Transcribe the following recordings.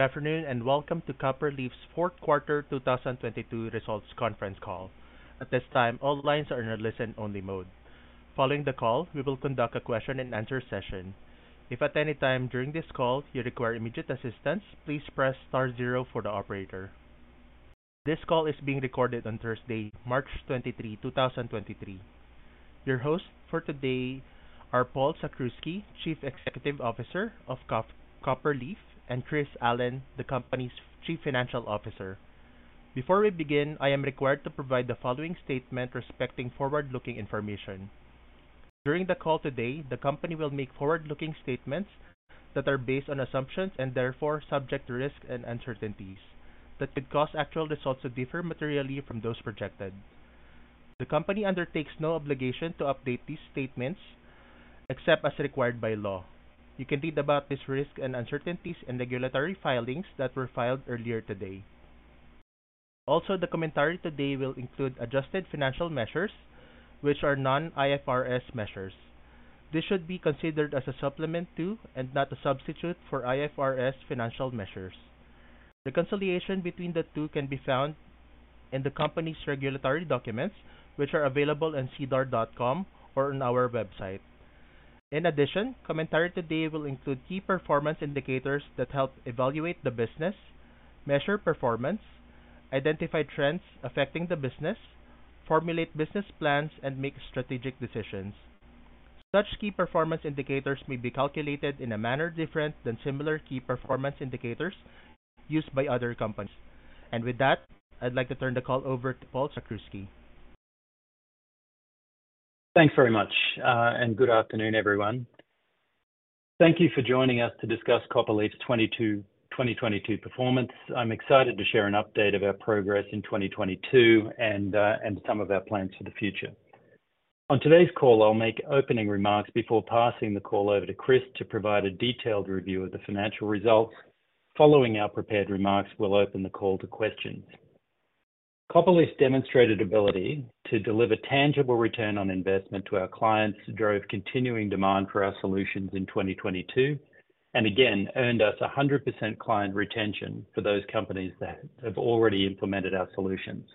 Welcome to Copperleaf's fourth quarter 2022 results conference call. At this time, all lines are in a listen-only mode. Following the call, we will conduct a question-and-answer session. If at any time during this call you require immediate assistance, please press star zero for the operator. This call is being recorded on Thursday, March 23, 2023. Your hosts for today are Paul Sakrzewski, Chief Executive Officer of Copperleaf, Chris Allen, the company's Chief Financial Officer. Before we begin, I am required to provide the following statement respecting forward-looking information. During the call today, the company will make forward-looking statements that are based on assumptions and therefore subject to risks and uncertainties that could cause actual results to differ materially from those projected. The company undertakes no obligation to update these statements except as required by law. You can read about these risks and uncertainties in regulatory filings that were filed earlier today. The commentary today will include adjusted financial measures, which are non-IFRS measures. This should be considered as a supplement to, and not a substitute for, IFRS financial measures. The reconciliation between the two can be found in the company's regulatory documents, which are available on sedar.com or on our website. Commentary today will include key performance indicators that help evaluate the business, measure performance, identify trends affecting the business, formulate business plans, and make strategic decisions. Such key performance indicators may be calculated in a manner different than similar key performance indicators used by other companies. With that, I'd like to turn the call over to Paul Sakrzewski. Thanks very much. Good afternoon, everyone. Thank you for joining us to discuss Copperleaf's 2022 performance. I'm excited to share an update of our progress in 2022 and some of our plans for the future. On today's call, I'll make opening remarks before passing the call over to Chris to provide a detailed review of the financial results. Following our prepared remarks, we'll open the call to questions. Copperleaf's demonstrated ability to deliver tangible return on investment to our clients drove continuing demand for our solutions in 2022 and again earned us 100% client retention for those companies that have already implemented our solutions.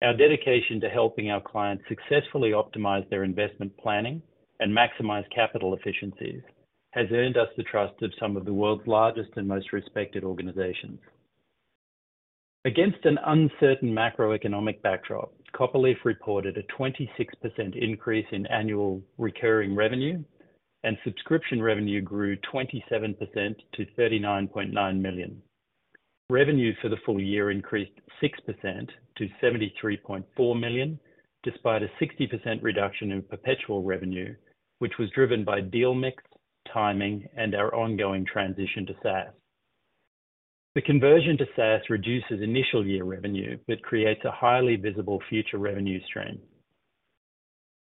Our dedication to helping our clients successfully optimize their investment planning and maximize capital efficiencies has earned us the trust of some of the world's largest and most respected organizations. Against an uncertain macroeconomic backdrop, Copperleaf reported a 26% increase in annual recurring revenue, and subscription revenue grew 27% to 39.9 million. Revenue for the full year increased 6% to 73.4 million, despite a 60% reduction in perpetual revenue, which was driven by deal mix, timing, and our ongoing transition to SaaS. The conversion to SaaS reduces initial year revenue but creates a highly visible future revenue stream.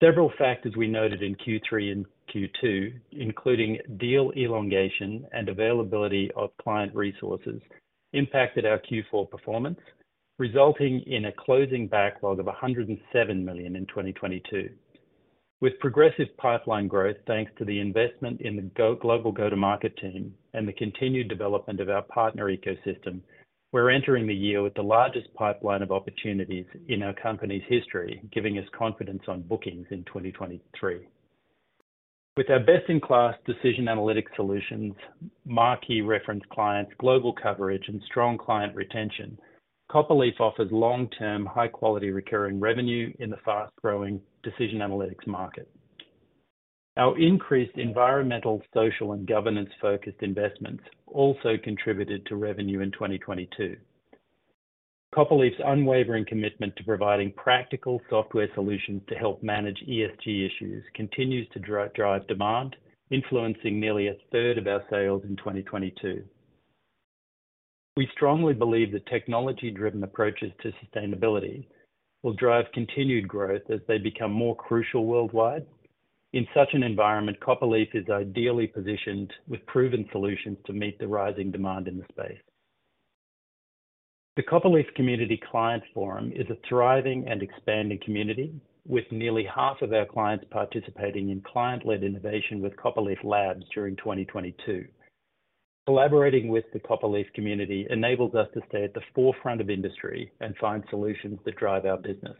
Several factors we noted in Q3 and Q2, including deal elongation and availability of client resources, impacted our Q4 performance, resulting in a closing backlog of 107 million in 2022. With progressive pipeline growth, thanks to the investment in the go-global go-to-market team and the continued development of our partner ecosystem, we're entering the year with the largest pipeline of opportunities in our company's history, giving us confidence on bookings in 2023. With our best-in-class decision analytics solutions, marquee reference clients, global coverage, and strong client retention, Copperleaf offers long-term, high-quality recurring revenue in the fast-growing decision analytics market. Our increased environmental, social, and governance-focused investments also contributed to revenue in 2022. Copperleaf's unwavering commitment to providing practical software solutions to help manage ESG issues continues to drive demand, influencing nearly 1/3 of our sales in 2022. We strongly believe that technology-driven approaches to sustainability will drive continued growth as they become more crucial worldwide. In such an environment, Copperleaf is ideally positioned with proven solutions to meet the rising demand in the space. The Copperleaf Community client forum is a thriving and expanding community with nearly half of our clients participating in client-led innovation with Copperleaf Labs during 2022. Collaborating with the Copperleaf Community enables us to stay at the forefront of industry and find solutions that drive our business.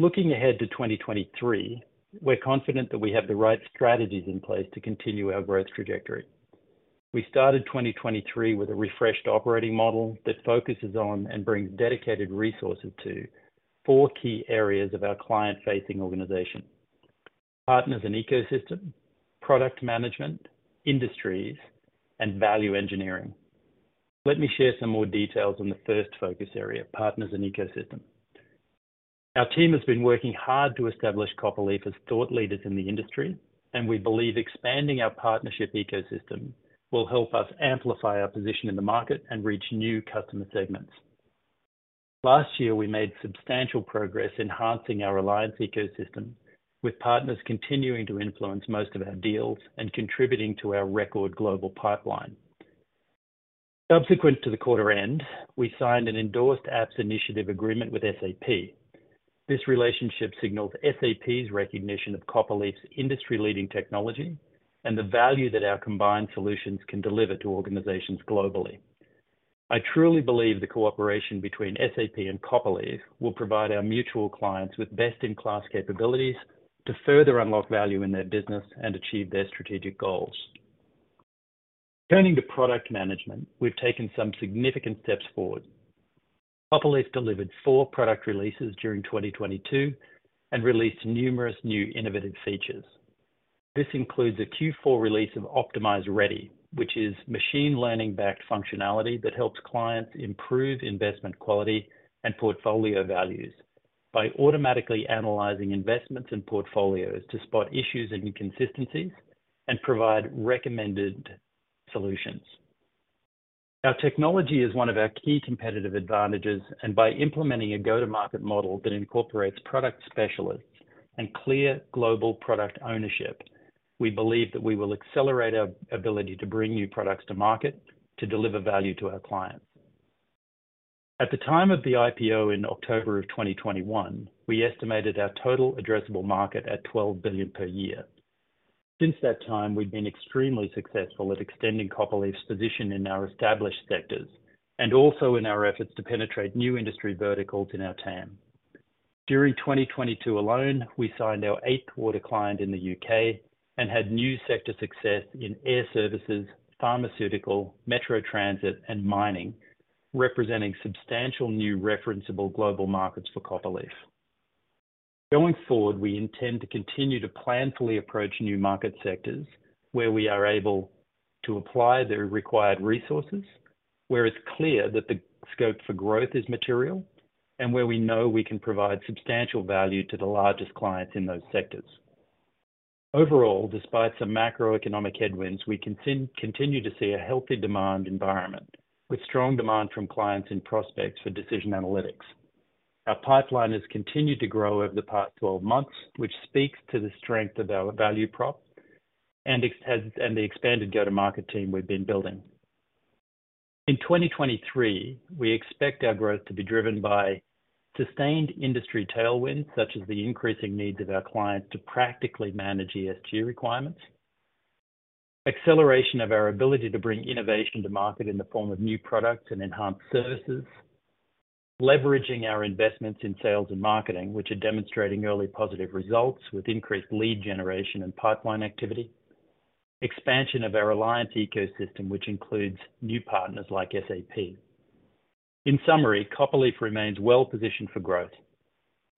Looking ahead to 2023, we're confident that we have the right strategies in place to continue our growth trajectory. We started 2023 with a refreshed operating model that focuses on and brings dedicated resources to four key areas of our client-facing organization: partners and ecosystem, product management, industries, and value engineering. Let me share some more details on the first focus area, partners and ecosystem. Our team has been working hard to establish Copperleaf as thought leaders in the industry, and we believe expanding our partnership ecosystem will help us amplify our position in the market and reach new customer segments. Last year, we made substantial progress enhancing our Alliance Ecosystem, with partners continuing to influence most of our deals and contributing to our record global pipeline. Subsequent to the quarter end, we signed an Endorsed Apps initiative agreement with SAP. This relationship signals SAP's recognition of Copperleaf's industry-leading technology and the value that our combined solutions can deliver to organizations globally. I truly believe the cooperation between SAP and Copperleaf will provide our mutual clients with best-in-class capabilities to further unlock value in their business and achieve their strategic goals. Turning to product management, we've taken some significant steps forward. Copperleaf delivered four product releases during 2022 and released numerous new innovative features. This includes a Q4 release of Optimize Ready, which is machine learning-backed functionality that helps clients improve investment quality and portfolio values by automatically analyzing investments and portfolios to spot issues and inconsistencies and provide recommended solutions. Our technology is one of our key competitive advantages, and by implementing a go-to-market model that incorporates product specialists and clear global product ownership, we believe that we will accelerate our ability to bring new products to market to deliver value to our clients. At the time of the IPO in October of 2021, we estimated our total addressable market at 12 billion per year. Since that time, we've been extremely successful at extending Copperleaf's position in our established sectors and also in our efforts to penetrate new industry verticals in our TAM. During 2022 alone, we signed our eighth water client in the U.K. and had new sector success in air services, pharmaceutical, metro transit, and mining, representing substantial new referenceable global markets for Copperleaf. Going forward, we intend to continue to planfully approach new market sectors where we are able to apply the required resources, where it's clear that the scope for growth is material, and where we know we can provide substantial value to the largest clients in those sectors. Overall, despite some macroeconomic headwinds, we continue to see a healthy demand environment with strong demand from clients and prospects for decision analytics. Our pipeline has continued to grow over the past 12 months, which speaks to the strength of our value prop and the expanded go-to-market team we've been building. In 2023, we expect our growth to be driven by sustained industry tailwinds, such as the increasing needs of our clients to practically manage ESG requirements, acceleration of our ability to bring innovation to market in the form of new products and enhanced services, leveraging our investments in sales and marketing, which are demonstrating early positive results with increased lead generation and pipeline activity, expansion of our Alliance Ecosystem, which includes new partners like SAP. In summary, Copperleaf remains well-positioned for growth.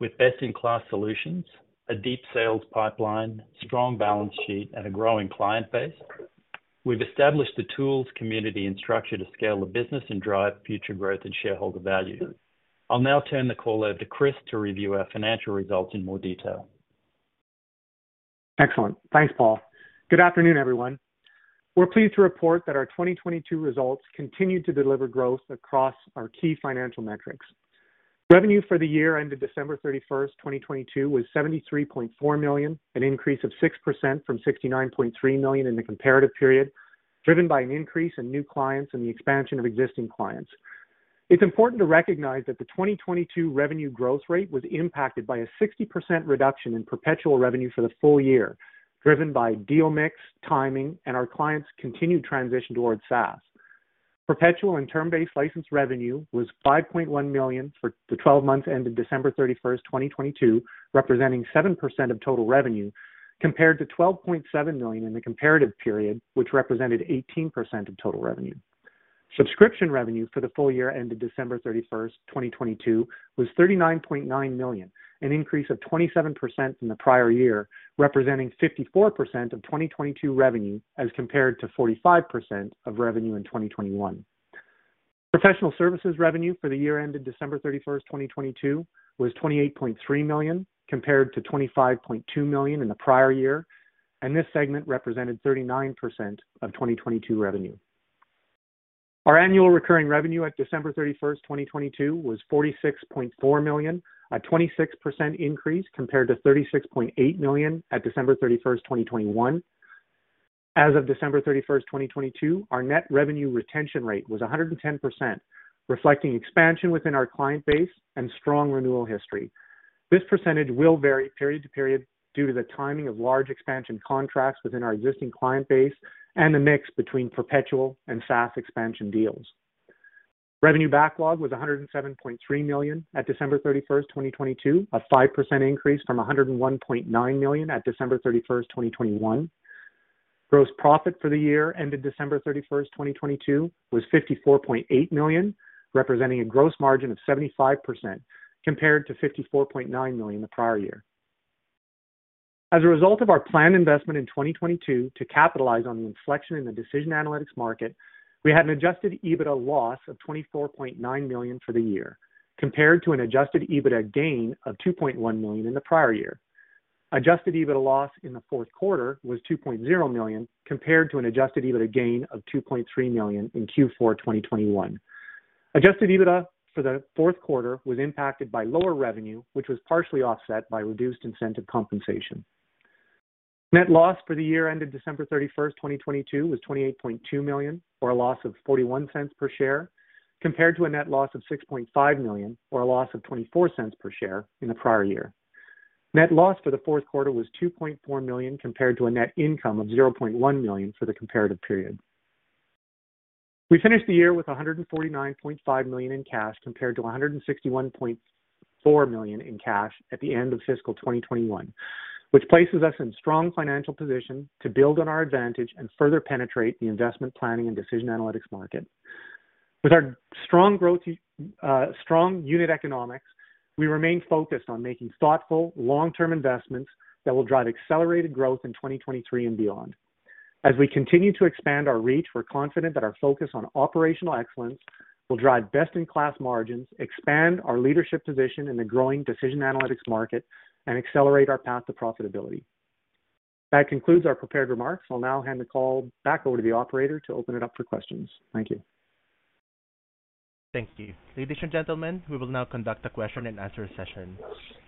With best-in-class solutions, a deep sales pipeline, strong balance sheet, and a growing client base, we've established the tools, community, and structure to scale the business and drive future growth and shareholder value. I'll now turn the call over to Chris to review our financial results in more detail. Excellent. Thanks, Paul. Good afternoon, everyone. We're pleased to report that our 2022 results continued to deliver growth across our key financial metrics. Revenue for the year ended December 31st, 2022 was 73.4 million, an increase of 6% from 69.3 million in the comparative period, driven by an increase in new clients and the expansion of existing clients. It's important to recognize that the 2022 revenue growth rate was impacted by a 60% reduction in perpetual revenue for the full year, driven by deal mix, timing, and our clients' continued transition towards SaaS. Perpetual and term-based license revenue was 5.1 million for the 12 months ended December 31st, 2022, representing 7% of total revenue, compared to 12.7 million in the comparative period, which represented 18% of total revenue. Subscription revenue for the full year ended December 31st, 2022 was 39.9 million, an increase of 27% from the prior year, representing 54% of 2022 revenue as compared to 45% of revenue in 2021. Professional services revenue for the year ended December 31st, 2022 was 28.3 million compared to 25.2 million in the prior year, and this segment represented 39% of 2022 revenue. Our annual recurring revenue at December 31st, 2022 was 46.4 million, a 26% increase compared to 36.8 million at December 31st, 2021. As of December 31st, 2022, our net revenue retention rate was 110%, reflecting expansion within our client base and strong renewal history. This percentage will vary period to period due to the timing of large expansion contracts within our existing client base and the mix between perpetual and SaaS expansion deals. Revenue backlog was 107.3 million at December 31st, 2022, a 5% increase from 101.9 million at December 31st, 2021. Gross profit for the year ended December 31st, 2022 was 54.8 million, representing a gross margin of 75% compared to 54.9 million the prior year. As a result of our planned investment in 2022 to capitalize on the inflection in the decision analytics market, we had an adjusted EBITDA loss of 24.9 million for the year, compared to an adjusted EBITDA gain of 2.1 million in the prior year. Adjusted EBITDA loss in the fourth quarter was 2.0 million, compared to an adjusted EBITDA gain of 2.3 million in Q4 2021. Adjusted EBITDA for the fourth quarter was impacted by lower revenue, which was partially offset by reduced incentive compensation. Net loss for the year ended December 31st, 2022 was 28.2 million, or a loss of 0.41 per share, compared to a net loss of 6.5 million, or a loss of 0.24 per share in the prior year. Net loss for the fourth quarter was 2.4 million compared to a net income of 0.1 million for the comparative period. We finished the year with 149.5 million in cash compared to 161.4 million in cash at the end of fiscal 2021, which places us in strong financial position to build on our advantage and further penetrate the decision analytics market. With our strong growth, strong unit economics, we remain focused on making thoughtful, long-term investments that will drive accelerated growth in 2023 and beyond. As we continue to expand our reach, we're confident that our focus on operational excellence will drive best-in-class margins, expand our leadership position in the growing decision analytics market, and accelerate our path to profitability. That concludes our prepared remarks. I'll now hand the call back over to the operator to open it up for questions. Thank you. Thank you. Ladies and gentlemen, we will now conduct a question-and-answer session.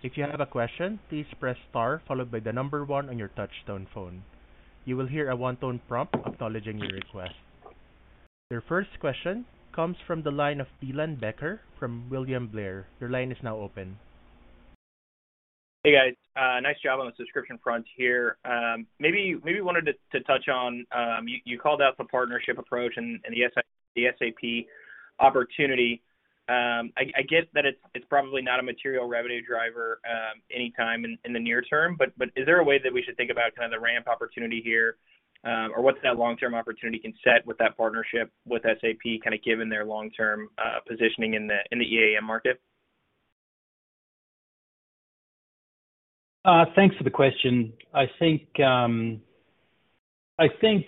If you have a question, please press star followed by the number one on your touch tone phone. You will hear a one-tone prompt acknowledging your request. Your first question comes from the line of Dylan Becker from William Blair. Your line is now open. Hey, guys. nice job on the subscription front here. wanted to touch on, you called out the partnership approach and the SAP opportunity. I get that it's probably not a material revenue driver, anytime in the near term, but is there a way that we should think about kind of the ramp opportunity here? What's that long-term opportunity can set with that partnership with SAP, kind of given their long-term positioning in the EAM market? Thanks for the question. I think,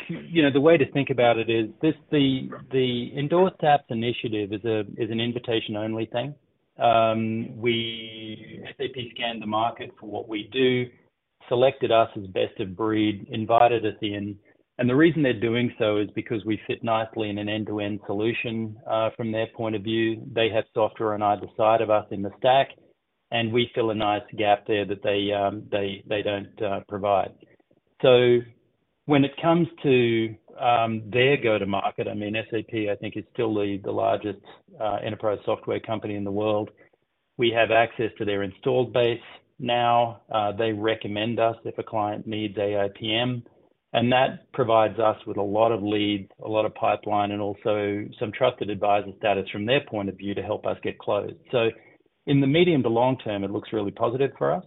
you know, the way to think about it is this, the Endorsed Apps initiative is an invitation-only thing. SAP scanned the market for what we do, selected us as best-of-breed, invited us in. The reason they're doing so is because we fit nicely in an end-to-end solution from their point of view. They have software on either side of us in the stack, and we fill a nice gap there that they don't provide. When it comes to their go-to-market, I mean, SAP, I think is still the largest enterprise software company in the world. We have access to their installed base now. They recommend us if a client needs AIPM, that provides us with a lot of leads, a lot of pipeline, and also some trusted advisor status from their point of view to help us get closed. In the medium to long term, it looks really positive for us.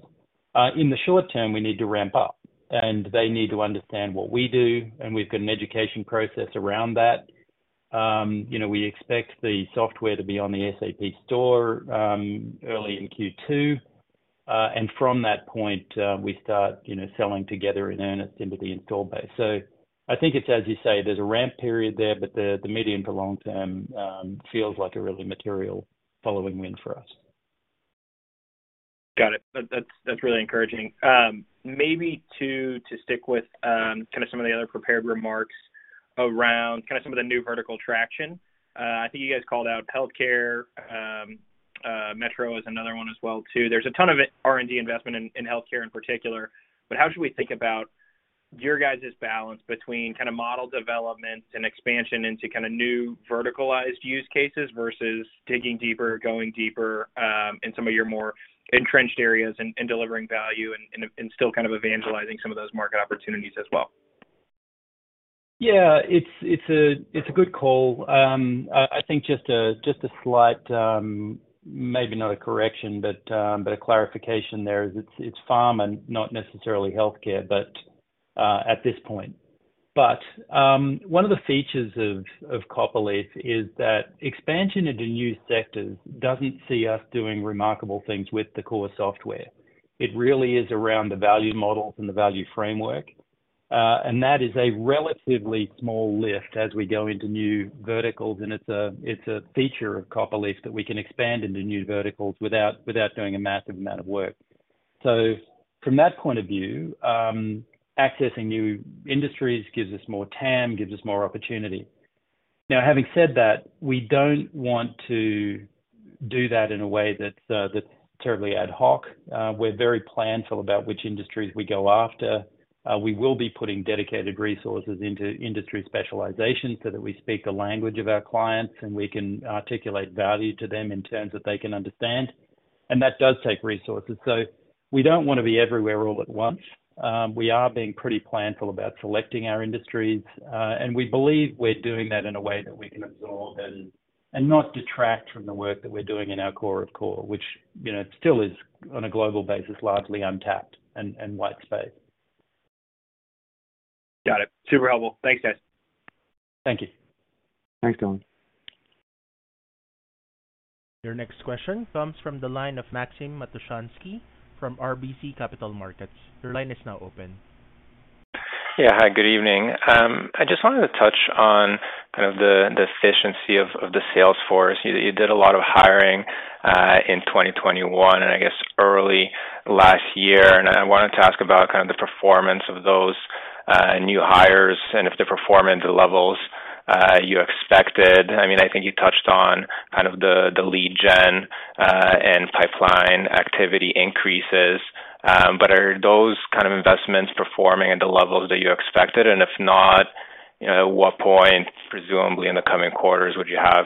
In the short term, we need to ramp up, they need to understand what we do, we've got an education process around that. You know, we expect the software to be on the SAP Store early in Q2. From that point, we start, you know, selling together in earnest into the install base. I think it's as you say, there's a ramp period there, the medium to long term feels like a really material following wind for us. Got it. That's, that's really encouraging. Maybe to stick with, kind of some of the other prepared remarks around kind of some of the new vertical traction. I think you guys called out healthcare, metro is another one as well too. There's a ton of R&D investment in healthcare in particular. How should we think about your guys' balance between kind of model development and expansion into kind of new verticalized use cases versus digging deeper, going deeper, in some of your more entrenched areas and delivering value and still kind of evangelizing some of those market opportunities as well? Yeah. It's, it's a, it's a good call. I think just a, just a slight, maybe not a correction, but a clarification there is it's pharma, not necessarily healthcare, at this point. One of the features of Copperleaf is that expansion into new sectors doesn't see us doing remarkable things with the core software. It really is around the value models and the value framework. That is a relatively small lift as we go into new verticals, and it's a, it's a feature of Copperleaf that we can expand into new verticals without doing a massive amount of work. From that point of view, accessing new industries gives us more TAM, gives us more opportunity. Having said that, we don't want to do that in a way that's terribly ad hoc. We're very planful about which industries we go after. We will be putting dedicated resources into industry specializations so that we speak the language of our clients and we can articulate value to them in terms that they can understand. That does take resources. We don't wanna be everywhere all at once. We are being pretty planful about selecting our industries, and we believe we're doing that in a way that we can absorb and not detract from the work that we're doing in our core of core, which, you know, still is, on a global basis, largely untapped and white space. Got it. Super helpful. Thanks, guys. Thank you. Thanks, Dylan. Your next question comes from the line of Maxim Matushansky from RBC Capital Markets. Your line is now open. Yeah. Hi, good evening. I just wanted to touch on kind of the efficiency of the sales force. You did a lot of hiring in 2021 and I guess early last year. I wanted to ask about kind of the performance of those new hires, and if the performance levels you expected. I mean, I think you touched on kind of the lead gen and pipeline activity increases. Are those kind of investments performing at the levels that you expected? If not, you know, at what point, presumably in the coming quarters, would you have,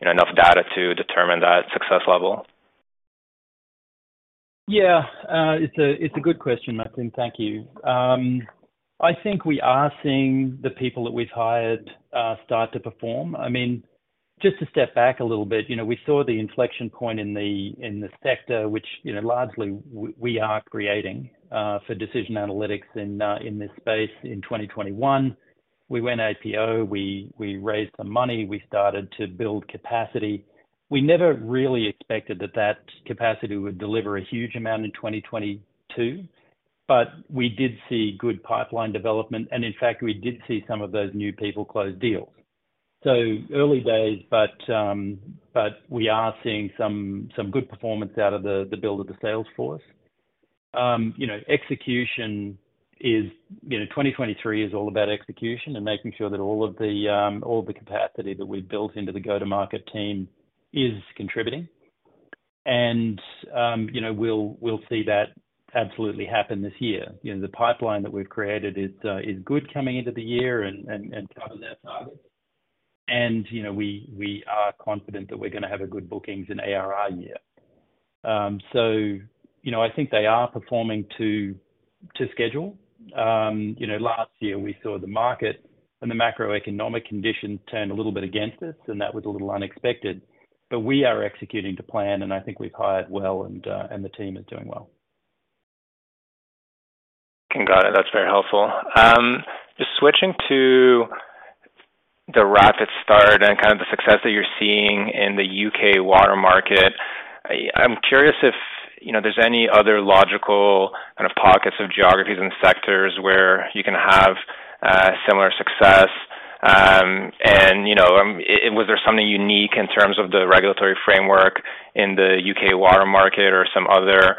you know, enough data to determine that success level? Yeah. It's a good question, Maxim, thank you. I think we are seeing the people that we've hired start to perform. I mean, just to step back a little bit, you know, we saw the inflection point in the sector, which, you know, largely we are creating for decision analytics in this space in 2021. We went IPO, we raised some money, we started to build capacity. We never really expected that that capacity would deliver a huge amount in 2022, but we did see good pipeline development, and in fact, we did see some of those new people close deals. Early days, but we are seeing some good performance out of the build of the sales force. You know, execution is... You know, 2023 is all about execution and making sure that all of the capacity that we've built into the go-to-market team is contributing. You know, we'll see that absolutely happen this year. You know, the pipeline that we've created is good coming into the year and covering our targets. You know, we are confident that we're gonna have a good bookings and ARR year. You know, I think they are performing to schedule. You know, last year we saw the market and the macroeconomic conditions turn a little bit against us, and that was a little unexpected. We are executing to plan, and I think we've hired well and the team is doing well. Okay, got it. That's very helpful. Just switching to the rapid start and kind of the success that you're seeing in the U.K. water market. I'm curious if, you know, there's any other logical kind of pockets of geographies and sectors where you can have similar success. You know, was there something unique in terms of the regulatory framework in the U.K. water market or some other,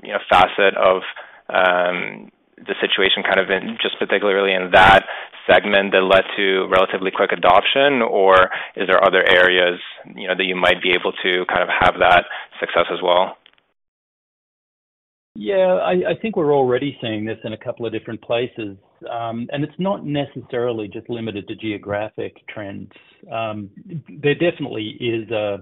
you know, facet of the situation kind of in, just particularly in that segment that led to relatively quick adoption? Or is there other areas, you know, that you might be able to kind of have that success as well? Yeah. I think we're already seeing this in a couple of different places. It's not necessarily just limited to geographic trends. There definitely is a,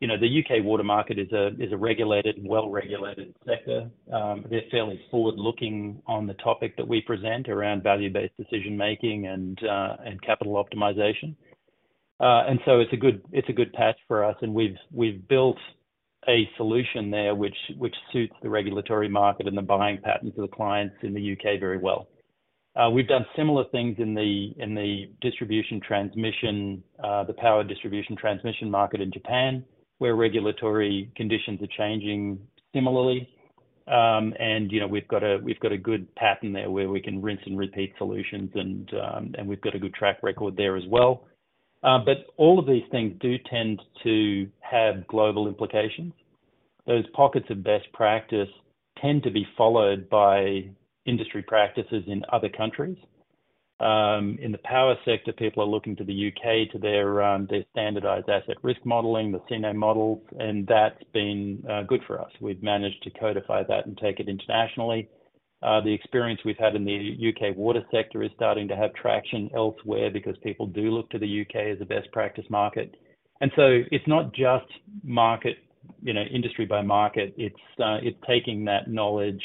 you know, the U.K. water market is a regulated, well-regulated sector. They're fairly forward-looking on the topic that we present around value-based decision-making and capital optimization. So it's a good patch for us, and we've built a solution there which suits the regulatory market and the buying patterns of the clients in the U.K. very well. We've done similar things in the distribution transmission, the power distribution transmission market in Japan, where regulatory conditions are changing similarly. You know, we've got a, we've got a good pattern there where we can rinse and repeat solutions, and we've got a good track record there as well. All of these things do tend to have global implications. Those pockets of best practice tend to be followed by industry practices in other countries. In the power sector, people are looking to the U.K. to their standardized asset risk modeling, the CNAIM models, that's been good for us. We've managed to codify that and take it internationally. The experience we've had in the U.K. water sector is starting to have traction elsewhere because people do look to the U.K. as a best practice market. It's not just market, you know, industry by market. It's taking that knowledge,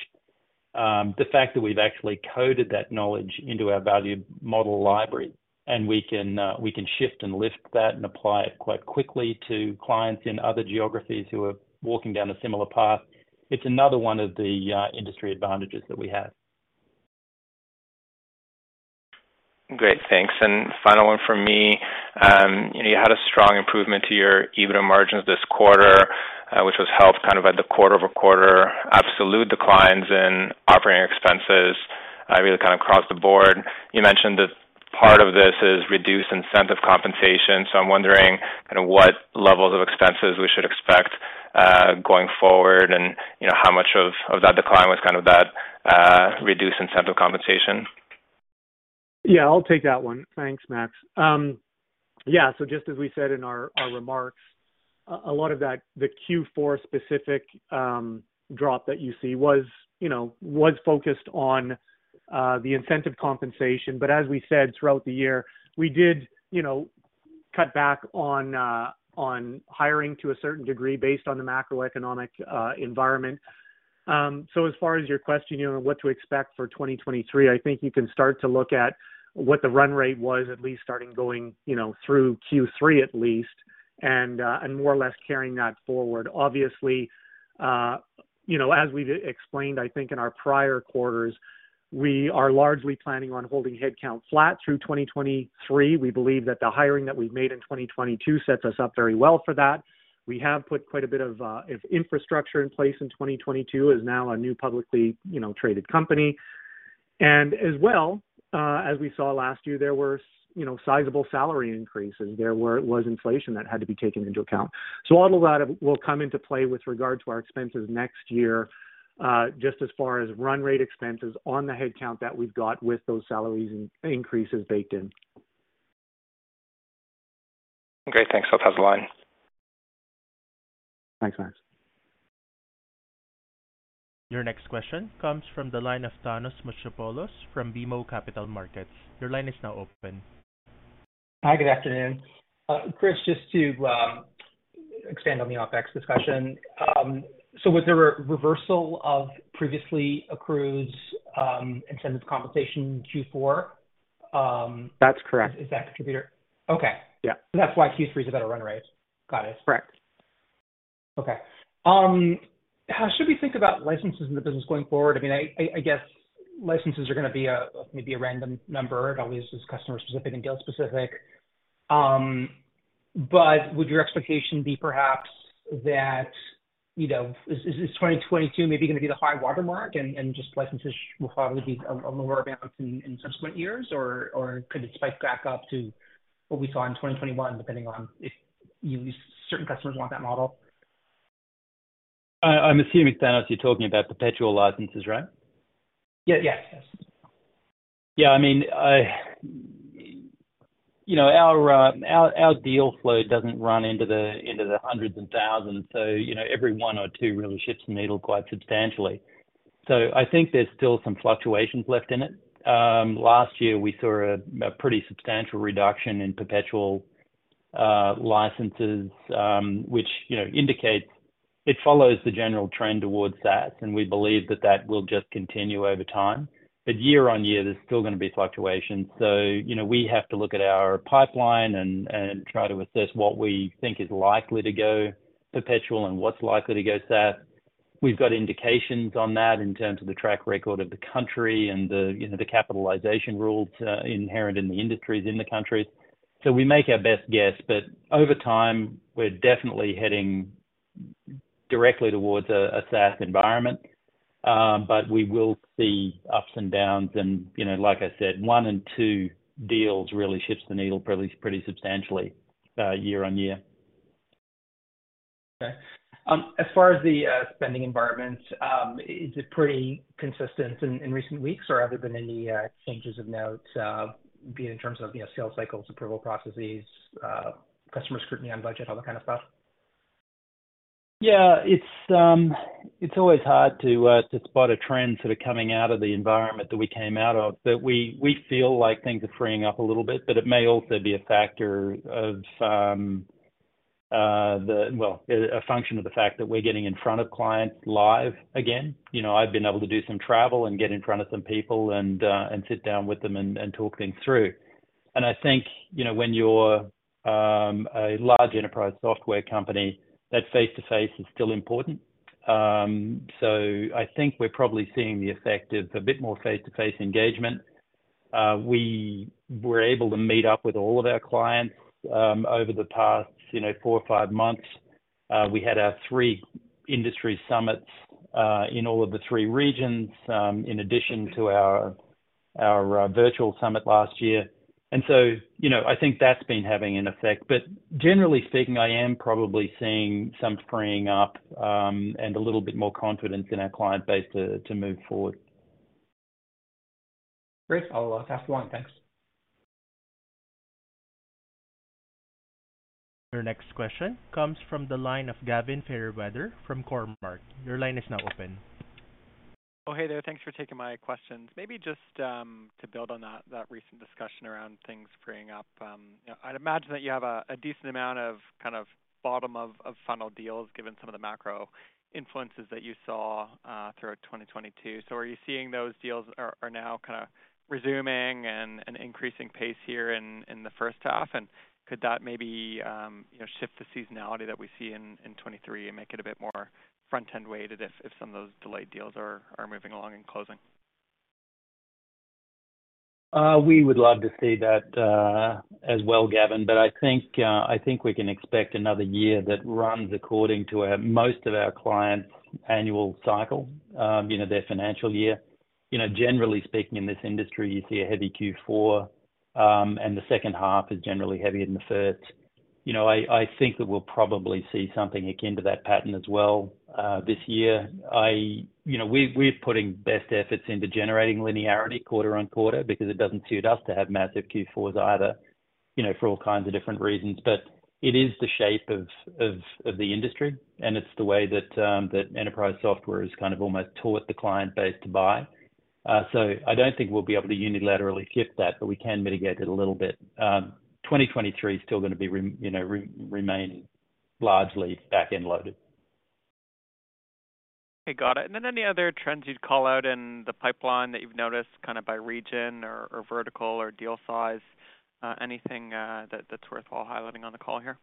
the fact that we've actually coded that knowledge into our value model library, and we can, we can shift and lift that and apply it quite quickly to clients in other geographies who are walking down a similar path. It's another one of the industry advantages that we have. Great. Thanks. Final one from me. You know, you had a strong improvement to your EBITDA margins this quarter, which was helped kind of by the quarter-over-quarter absolute declines in operating expenses, really kind of across the board. You mentioned that part of this is reduced incentive compensation. I'm wondering kind of what levels of expenses we should expect going forward, and, you know, how much of that decline was kind of that reduced incentive compensation? Yeah, I'll take that one. Thanks, Max. Yeah. Just as we said in our remarks, a lot of that, the Q4 specific drop that you see was, you know, was focused on the incentive compensation. As we said throughout the year, we did, you know, cut back on hiring to a certain degree based on the macroeconomic environment. As far as your question, you know, what to expect for 2023, I think you can start to look at what the run rate was at least starting going, you know, through Q3 at least, and more or less carrying that forward. Obviously, you know, as we've explained, I think in our prior quarters, we are largely planning on holding headcount flat through 2023. We believe that the hiring that we've made in 2022 sets us up very well for that. We have put quite a bit of infrastructure in place in 2022, as now a new publicly, you know, traded company. As well, as we saw last year, there were, you know, sizable salary increases. There was inflation that had to be taken into account. All of that will come into play with regard to our expenses next year, just as far as run rate expenses on the headcount that we've got with those salaries increases baked in. Okay, thanks. I'll pass the line. Thanks, Max. Your next question comes from the line of Thanos Moschopoulos from BMO Capital Markets. Your line is now open. Hi, good afternoon. Chris, just to expand on the OPEX discussion. Was there a reversal of previously accrued incentive compensation in Q4? That's correct. Is that contributor? Okay. Yeah. That's why Q3 is a better run rate. Got it. Correct. Okay. How should we think about licenses in the business going forward? I mean, I guess licenses are gonna be a random number. It always is customer specific and deal specific. Would your expectation be perhaps that, you know, is this 2022 maybe gonna be the high watermark and just licenses will probably be a lower amount in subsequent years or could it spike back up to what we saw in 2021, depending on if certain customers want that model? I'm assuming, Thanos, you're talking about perpetual licenses, right? Yeah. Yes. Yeah. I mean, I, you know, our deal flow doesn't run into the, into the hundreds and thousands, you know, every one or two really shifts the needle quite substantially. I think there's still some fluctuations left in it. Last year we saw a pretty substantial reduction in perpetual licenses, which, you know, indicates it follows the general trend towards SaaS. We believe that that will just continue over time. Year-over-year, there's still gonna be fluctuations. You know, we have to look at our pipeline and try to assess what we think is likely to go perpetual and what's likely to go SaaS. We've got indications on that in terms of the track record of the country and, you know, the capitalization rules inherent in the industries in the countries. We make our best guess, but over time, we're definitely heading directly towards a SaaS environment. We will see ups and downs and, you know, like I said, one in two deals really shifts the needle pretty substantially year-on-year. As far as the spending environment, is it pretty consistent in recent weeks, or have there been any changes of note, be it in terms of, you know, sales cycles, approval processes, customer scrutiny on budget, all that kind of stuff? Yeah. It's always hard to spot a trend sort of coming out of the environment that we came out of. We feel like things are freeing up a little bit, but it may also be a factor of, well, a function of the fact that we're getting in front of clients live again. You know, I've been able to do some travel and get in front of some people and sit down with them and talk things through. I think, you know, when you're a large enterprise software company, that face-to-face is still important. I think we're probably seeing the effect of a bit more face-to-face engagement. We were able to meet up with all of our clients over the past, you know, four or five months. We had our three industry summits in all of the three regions, in addition to our virtual summit last year. You know, I think that's been having an effect. Generally speaking, I am probably seeing some freeing up, and a little bit more confidence in our client base to move forward. Great. I'll pass the line. Thanks. Your next question comes from the line of Gavin Fairweather from Cormark. Your line is now open. Oh, hey there. Thanks for taking my questions. Maybe just to build on that recent discussion around things freeing up. You know, I'd imagine that you have a decent amount of kind of bottom of funnel deals, given some of the macro influences that you saw throughout 2022. Are you seeing those deals are now kind of resuming and increasing pace here in the first half? Could that maybe, you know, shift the seasonality that we see in 2023 and make it a bit more front-end weighted if some of those delayed deals are moving along and closing? We would love to see that as well, Gavin. I think we can expect another year that runs according to most of our clients' annual cycle, you know, their financial year. You know, generally speaking, in this industry, you see a heavy Q4, and the second half is generally heavier than the first. You know, I think that we'll probably see something akin to that pattern as well this year. You know, we're putting best efforts into generating linearity quarter on quarter because it doesn't suit us to have massive Q4s either, you know, for all kinds of different reasons. It is the shape of the industry, and it's the way that enterprise software has kind of almost taught the client base to buy. I don't think we'll be able to unilaterally shift that, but we can mitigate it a little bit. 2023 is still gonna be you know, remain largely back-end loaded. Okay, got it. Then any other trends you'd call out in the pipeline that you've noticed kinda by region or vertical or deal size? Anything that's worthwhile highlighting on the call here?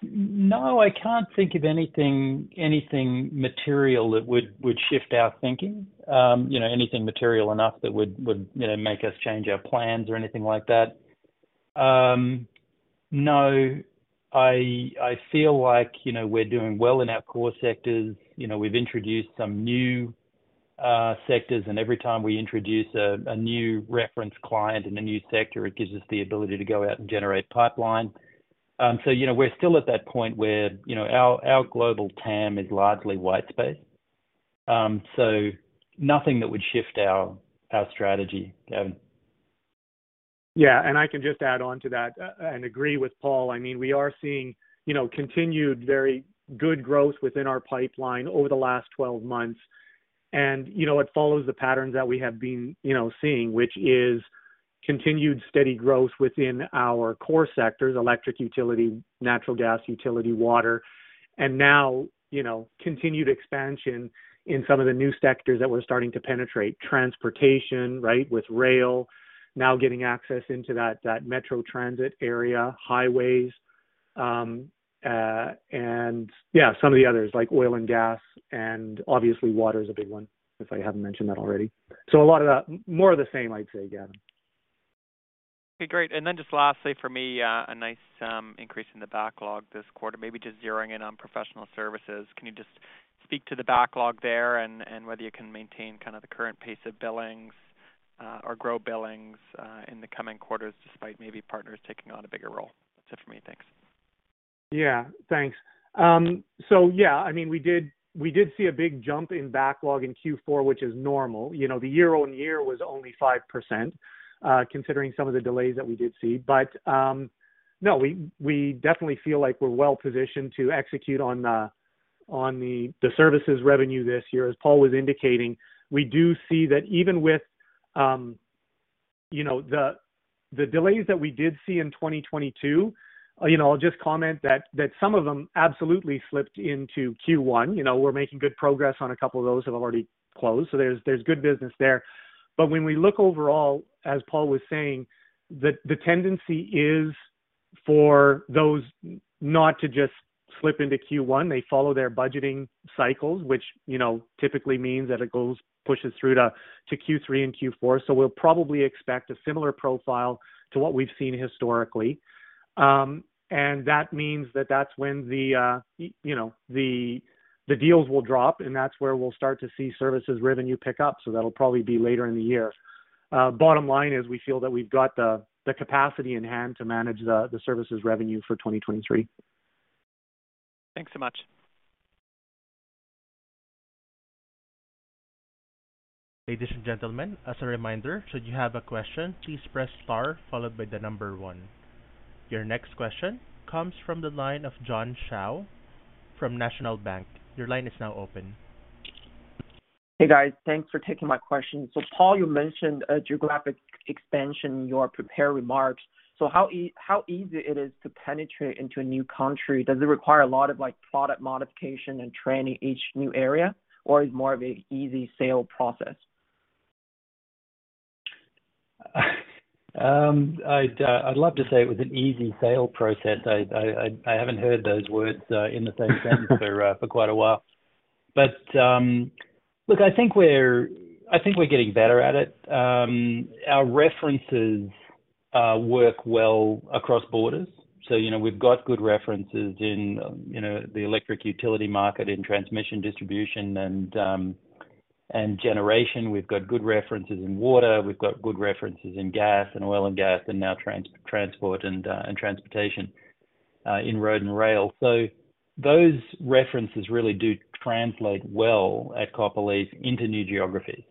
No, I can't think of anything material that would shift our thinking. You know, anything material enough that would, you know, make us change our plans or anything like that. No, I feel like, you know, we're doing well in our core sectors. You know, we've introduced some new, sectors, and every time we introduce a new reference client in a new sector, it gives us the ability to go out and generate pipeline. You know, we're still at that point where, you know, our global TAM is largely white space. Nothing that would shift our strategy, Gavin. Yeah. I can just add on to that and agree with Paul. I mean, we are seeing, you know, continued very good growth within our pipeline over the last 12 months. You know, it follows the patterns that we have been, you know, seeing, which is continued steady growth within our core sectors, electric utility, natural gas utility, water, and now, you know, continued expansion in some of the new sectors that we're starting to penetrate. Transportation, right, with rail now getting access into that metro transit area, highways, some of the others like oil and gas, and obviously water is a big one, if I haven't mentioned that already. A lot of that. More of the same, I'd say, Gavin. Okay, great. Then just lastly for me, a nice increase in the backlog this quarter. Maybe just zeroing in on professional services. Can you just speak to the backlog there and whether you can maintain kind of the current pace of billings or grow billings in the coming quarters despite maybe partners taking on a bigger role? That's it for me. Thanks. Yeah, thanks. Yeah, I mean, we did see a big jump in backlog in Q4, which is normal. You know, the year-over-year was only 5%, considering some of the delays that we did see. No, we definitely feel like we're well-positioned to execute on the services revenue this year. As Paul was indicating, we do see that even with, you know, the delays that we did see in 2022, you know, I'll just comment that some of them absolutely slipped into Q1. You know, we're making good progress on a couple of those have already closed, so there's good business there. When we look overall, as Paul was saying, the tendency is for those not to just slip into Q1. They follow their budgeting cycles, which, you know, typically means that it goes, pushes through to Q3 and Q4. We'll probably expect a similar profile to what we've seen historically. And that means that that's when the, you know, the deals will drop, and that's where we'll start to see services revenue pick up. That'll probably be later in the year. Bottom line is we feel that we've got the capacity in hand to manage the services revenue for 2023. Thanks so much. Ladies and gentlemen, as a reminder, should you have a question, please press star followed by the number one. Your next question comes from the line of John Shao from National Bank. Your line is now open. Hey, guys. Thanks for taking my question. Paul, you mentioned a geographic expansion in your prepared remarks. How easy it is to penetrate into a new country? Does it require a lot of, like, product modification and training each new area? Or is it more of a easy sale process? I'd love to say it was an easy sale process. I haven't heard those words in the same sentence for quite a while. Look, I think we're getting better at it. Our references work well across borders, so you know we've got good references in, you know, the electric utility market in transmission distribution and generation. We've got good references in water. We've got good references in gas and oil and gas and now transport and transportation in road and rail. Those references really do translate well at Copperleaf into new geographies.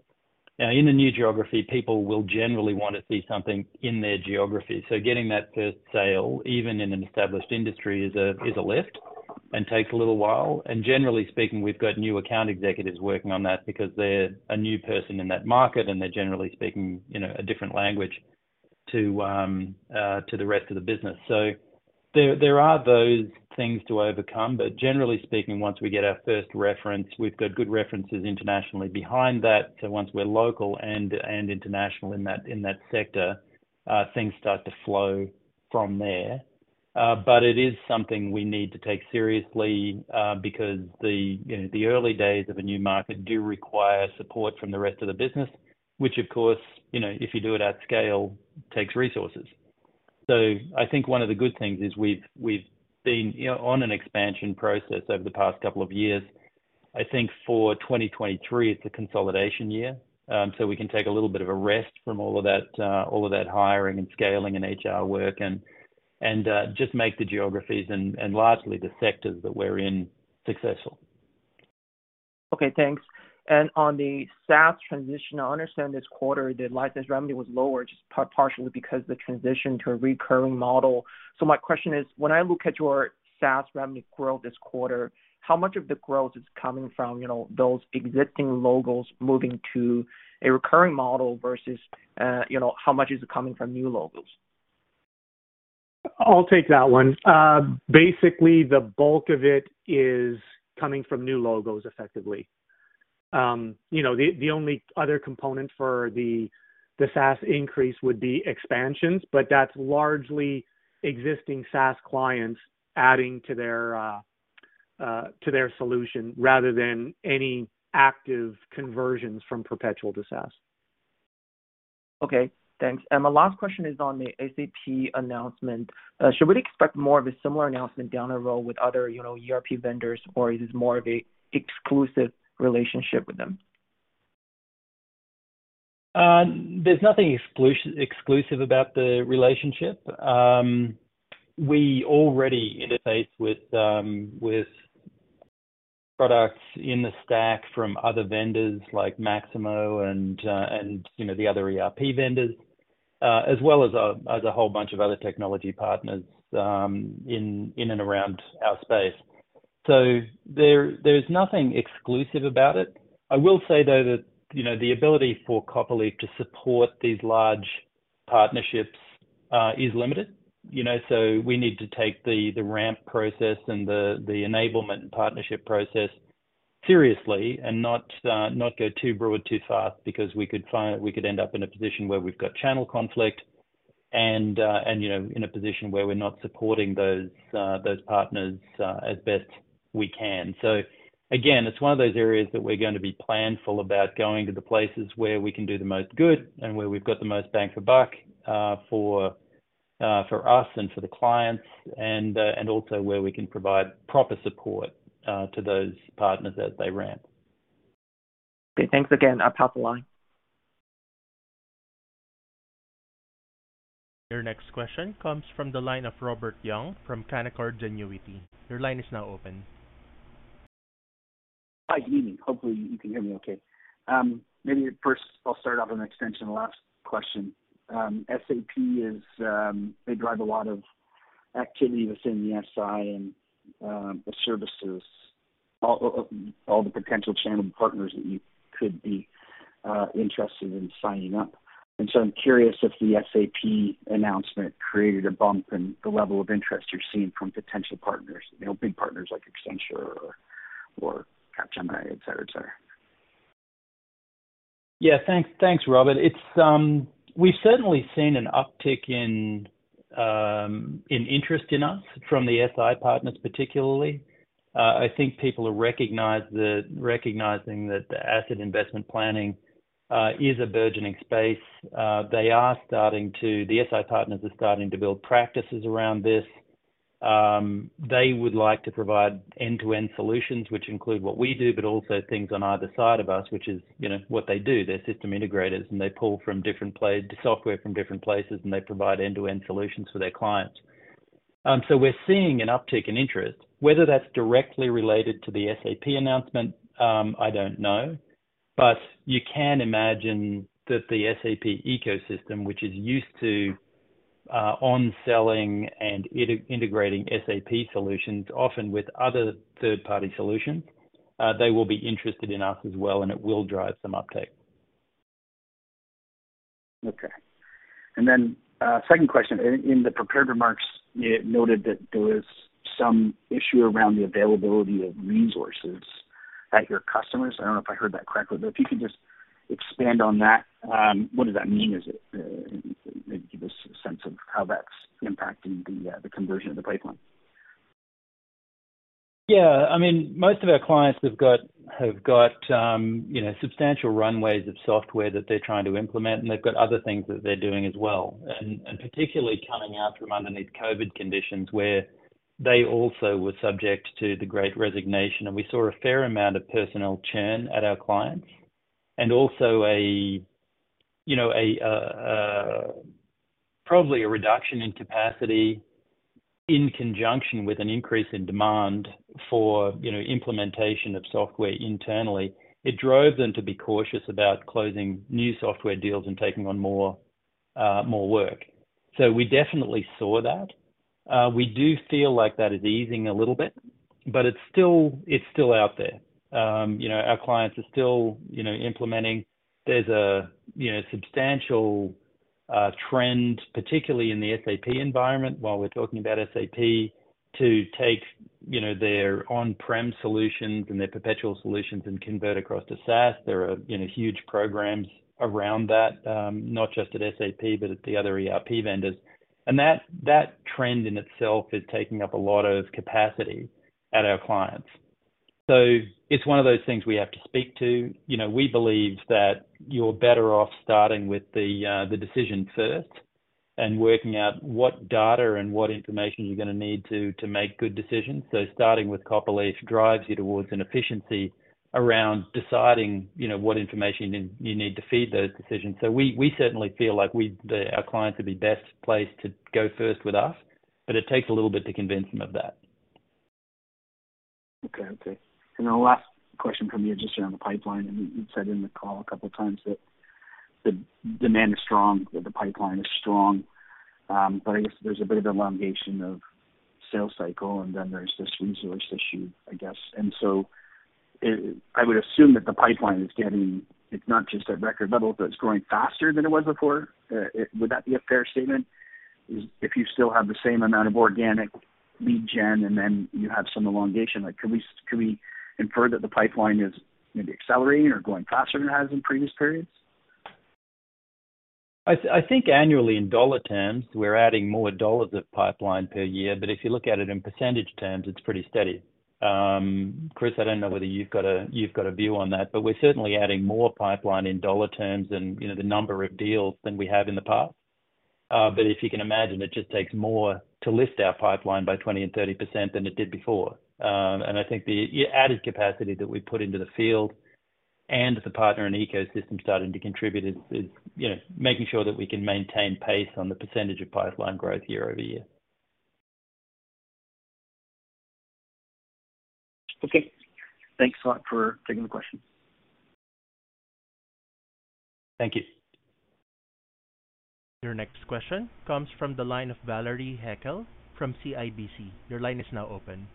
Now, in the new geography, people will generally want to see something in their geography. Getting that first sale, even in an established industry, is a lift and takes a little while. Generally speaking, we've got new account executives working on that because they're a new person in that market, and they're generally speaking, you know, a different language to the rest of the business. There are those things to overcome. Generally speaking, once we get our first reference, we've got good references internationally behind that. Once we're local and international in that sector, things start to flow from there. It is something we need to take seriously because the, you know, the early days of a new market do require support from the rest of the business, which of course, you know, if you do it at scale, takes resources. I think one of the good things is we've been, you know, on an expansion process over the past couple of years. I think for 2023, it's a consolidation year, so we can take a little bit of a rest from all of that, all of that hiring and scaling and HR work and just make the geographies and largely the sectors that we're in successful. Okay, thanks. On the SaaS transition, I understand this quarter the license revenue was lower just partially because the transition to a recurring model. My question is, when I look at your SaaS revenue growth this quarter, how much of the growth is coming from, you know, those existing logos moving to a recurring model versus, you know, how much is it coming from new logos? I'll take that one. Basically, the bulk of it is coming from new logos, effectively. You know, the only other component for the SaaS increase would be expansions, but that's largely existing SaaS clients adding to their solution rather than any active conversions from perpetual to SaaS. Okay, thanks. My last question is on the SAP announcement. Should we expect more of a similar announcement down the road with other, you know, ERP vendors, or is this more of an exclusive relationship with them? There's nothing exclusive about the relationship. We already interface with products in the stack from other vendors like Maximo and you know, the other ERP vendors as well as a whole bunch of other technology partners in and around our space. There, there's nothing exclusive about it. I will say, though, that, you know, the ability for Copperleaf to support these large partnerships is limited. You know, we need to take the ramp process and the enablement and partnership process seriously and not go too broad too fast because we could end up in a position where we've got channel conflict and, you know, in a position where we're not supporting those partners as best we can. Again, it's one of those areas that we're gonna be planful about going to the places where we can do the most good and where we've got the most bang for buck, for us and for the clients and also where we can provide proper support to those partners as they ramp. Okay, thanks again. I'll pop a line. Your next question comes from the line of Robert Young from Canaccord Genuity. Your line is now open. Hi, good evening. Hopefully you can hear me okay. Maybe first I'll start off an extension the last question. SAP is, they drive a lot of activity within the SI and the services, all the potential channel partners that you could be interested in signing up. I'm curious if the SAP announcement created a bump in the level of interest you're seeing from potential partners, you know, big partners like Accenture or Capgemini, et cetera, et cetera. Yeah. Thanks. Thanks, Robert. It's, we've certainly seen an uptick in interest in us from the SI partners particularly. I think people are recognizing that the asset investment planning is a burgeoning space. The SI partners are starting to build practices around this. They would like to provide end-to-end solutions, which include what we do, but also things on either side of us, which is, you know, what they do. They're system integrators, they pull software from different places, they provide end-to-end solutions for their clients. We're seeing an uptick in interest. Whether that's directly related to the SAP announcement, I don't know. You can imagine that the SAP ecosystem, which is used to on selling and integrating SAP solutions, often with other third-party solutions, they will be interested in us as well, and it will drive some uptake. Okay. Second question. In the prepared remarks, you noted that there was some issue around the availability of resources at your customers. I don't know if I heard that correctly, but if you could just expand on that. What does that mean? Is it, maybe give us a sense of how that's impacting the conversion of the pipeline? Yeah. I mean, most of our clients have got, you know, substantial runways of software that they're trying to implement, and they've got other things that they're doing as well. Particularly coming out from underneath COVID conditions, where they also were subject to the Great Resignation. We saw a fair amount of personnel churn at our clients. Also a, you know, probably a reduction in capacity in conjunction with an increase in demand for, you know, implementation of software internally. It drove them to be cautious about closing new software deals and taking on more work. We definitely saw that. We do feel like that is easing a little bit, but it's still out there. You know, our clients are still, you know, implementing. There's a, you know, substantial trend, particularly in the SAP environment, while we're talking about SAP, to take, you know, their on-prem solutions and their perpetual solutions and convert across to SaaS. There are, you know, huge programs around that, not just at SAP, but at the other ERP vendors. That, that trend in itself is taking up a lot of capacity at our clients. It's one of those things we have to speak to. You know, we believe that you're better off starting with the decision first and working out what data and what information you're gonna need to make good decisions. Starting with Copperleaf drives you towards an efficiency around deciding, you know, what information you need to feed those decisions. We certainly feel like our clients would be best placed to go first with us, but it takes a little bit to convince them of that. Okay. Okay. The last question from me is just around the pipeline. You, you said in the call a couple of times that the demand is strong, that the pipeline is strong. I guess there's a bit of elongation of sales cycle, and then there's this resource issue, I guess. So I would assume that the pipeline is getting, it's not just at record levels, but it's growing faster than it was before. Would that be a fair statement? If you still have the same amount of organic lead gen, and then you have some elongation, like could we, could we infer that the pipeline is maybe accelerating or growing faster than it has in previous periods? I think annually in dollar terms, we're adding more dollars of pipeline per year. If you look at it in percentage terms, it's pretty steady. Chris, I don't know whether you've got a view on that, we're certainly adding more pipeline in dollar terms and, you know, the number of deals than we have in the past. If you can imagine, it just takes more to lift our pipeline by 20% and 30% than it did before. I think the added capacity that we put into the field and the partner and ecosystem starting to contribute is, you know, making sure that we can maintain pace on the percentage of pipeline growth year-over-year. Okay. Thanks a lot for taking the question. Thank you. Your next question comes from the line of Valery Heckel from CIBC. Your line is now open.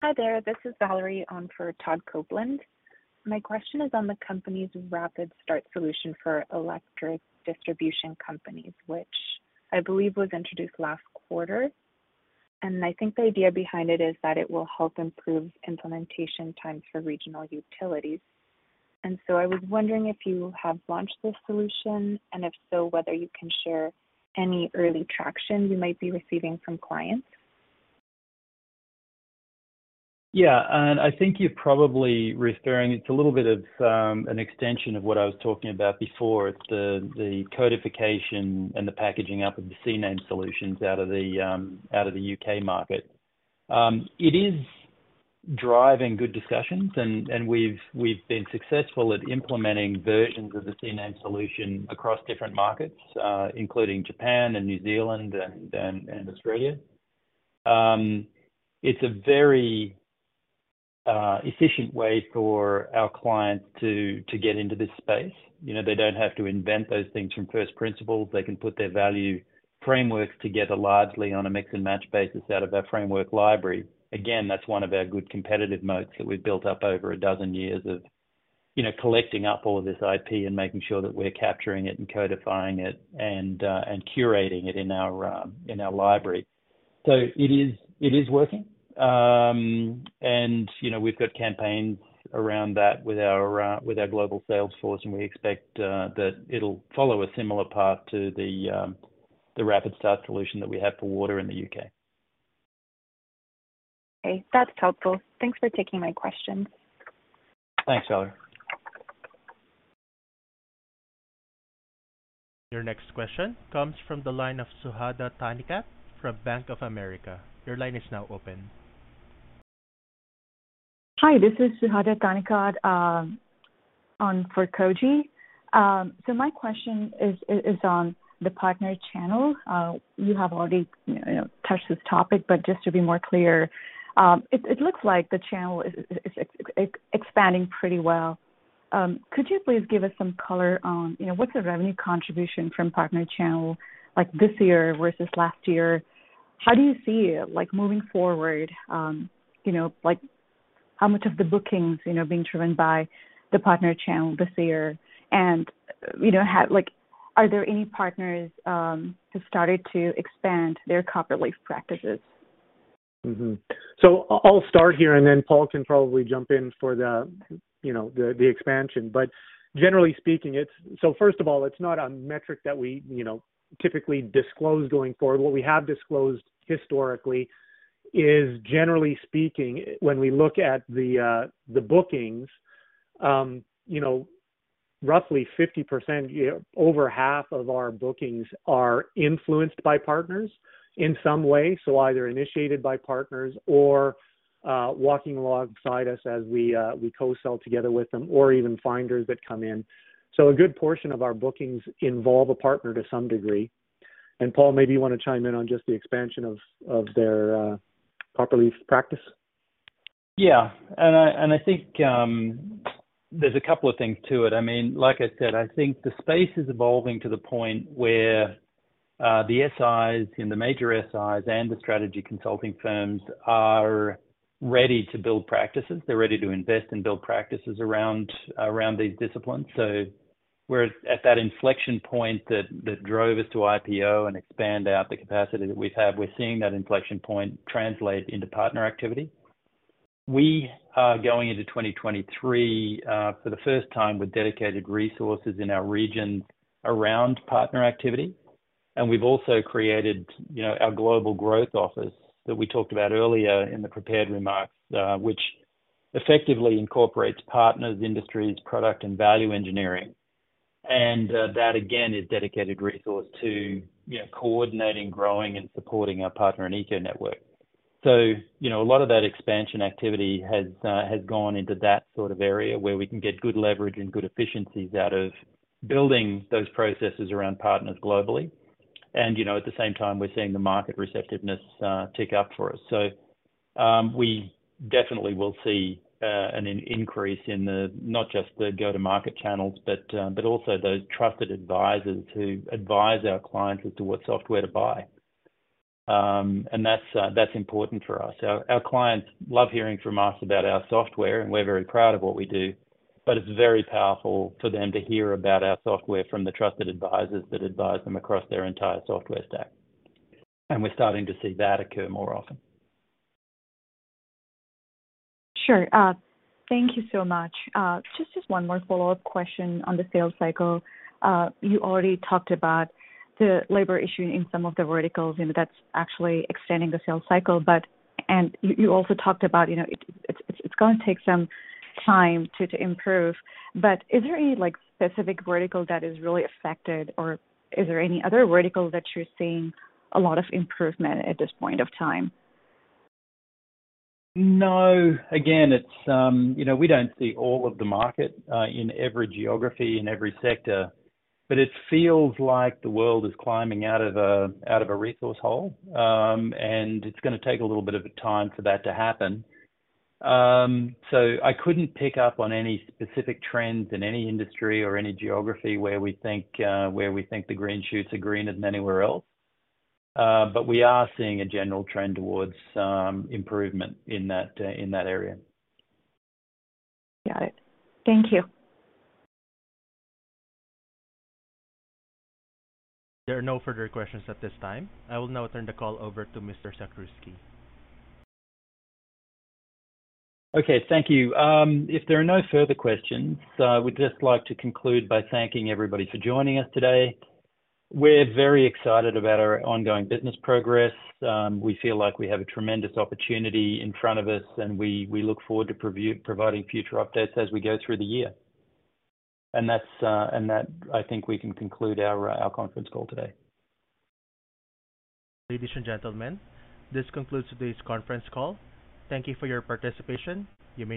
Hi there, this is Valery on for Todd Coupland. My question is on the company's rapid start solution for electric distribution companies, which I believe was introduced last quarter. I think the idea behind it is that it will help improve implementation times for regional utilities. I was wondering if you have launched this solution, and if so, whether you can share any early traction you might be receiving from clients. Yeah, I think you're probably referring. It's a little bit of an extension of what I was talking about before. It's the codification and the packaging up of the CNAIM solutions out of the U.K. market. It is driving good discussions, and we've been successful at implementing versions of the CNAIM solution across different markets, including Japan and New Zealand and Australia. It's a very efficient way for our clients to get into this space. You know, they don't have to invent those things from first principles. They can put their value frameworks together largely on a mix-and-match basis out of our framework library. Again, that's one of our good competitive moats that we've built up over a dozen years of, you know, collecting up all of this IP and making sure that we're capturing it and codifying it and curating it in our in our library. It is, it is working. You know, we've got campaigns around that with our with our global sales force, and we expect that it'll follow a similar path to the rapid start solution that we have for water in the U.K. Okay, that's helpful. Thanks for taking my question. Thanks, Valery. Your next question comes from the line of Suhada Thanikkatt from Bank of America. Your line is now open. Hi, this is Suhada Thanikkatt, on for Koji. So my question is on the partner channel. You have already, you know, touched this topic, but just to be more clear, it looks like the channel is expanding pretty well. Could you please give us some color on, you know, what's the revenue contribution from partner channel like this year versus last year? How do you see it like moving forward? You know, like how much of the bookings, you know, being driven by the partner channel this year? You know, like, are there any partners who started to expand their Copperleaf practices? I'll start here, and then Paul can probably jump in for the, you know, the expansion. Generally speaking, first of all, it's not a metric that we, you know, typically disclose going forward. What we have disclosed historically is, generally speaking, when we look at the bookings, you know, roughly 50%, you know, over half of our bookings are influenced by partners in some way. Either initiated by partners or walking alongside us as we co-sell together with them or even finders that come in. A good portion of our bookings involve a partner to some degree. Paul, maybe you wanna chime in on just the expansion of their Copperleaf practice. Yeah. I think there's a couple of things to it. I mean, like I said, I think the space is evolving to the point where the SIs and the major SIs and the strategy consulting firms are ready to build practices. They're ready to invest and build practices around these disciplines. Whereas at that inflection point that drove us to IPO and expand out the capacity that we've had, we're seeing that inflection point translate into partner activity. We are going into 2023 for the first time with dedicated resources in our region around partner activity. We've also created, you know, our Global Growth Office that we talked about earlier in the prepared remarks, which effectively incorporates partners, industries, product, and value engineering. That again is dedicated resource to, you know, coordinating, growing, and supporting our partner and eco network. You know, a lot of that expansion activity has gone into that sort of area where we can get good leverage and good efficiencies out of building those processes around partners globally. You know, at the same time, we're seeing the market receptiveness tick up for us. We definitely will see an increase in not just the go-to-market channels, but also those trusted advisors who advise our clients as to what software to buy. That's important for us. Our clients love hearing from us about our software, and we're very proud of what we do. It's very powerful for them to hear about our software from the trusted advisors that advise them across their entire software stack. We're starting to see that occur more often. Sure. Thank you so much. Just one more follow-up question on the sales cycle. You already talked about the labor issue in some of the verticals, and that's actually extending the sales cycle. You also talked about, you know, it's going to take some time to improve. Is there any, like, specific vertical that is really affected, or is there any other vertical that you're seeing a lot of improvement at this point of time? No. Again, it's, you know, we don't see all of the market in every geography, in every sector. It feels like the world is climbing out of a, out of a resource hole. It's gonna take a little bit of a time for that to happen. I couldn't pick up on any specific trends in any industry or any geography where we think, where we think the green shoots are greener than anywhere else. We are seeing a general trend towards improvement in that in that area. Got it. Thank you. There are no further questions at this time. I will now turn the call over to Mr. Sakrzewski. Okay. Thank you. If there are no further questions, we'd just like to conclude by thanking everybody for joining us today. We're very excited about our ongoing business progress. We feel like we have a tremendous opportunity in front of us, and we look forward to providing future updates as we go through the year. That's, and that I think we can conclude our conference call today. Ladies and gentlemen, this concludes today's conference call. Thank you for your participation. You may disconnect.